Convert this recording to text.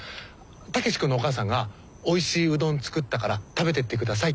武志君のお母さんがおいしいうどん作ったから食べてってくださいって。